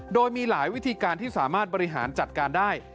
โดยมีหลายวิธีการที่สามารถบริหารจัดการได้